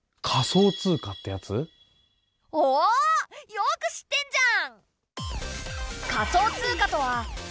よく知ってんじゃん！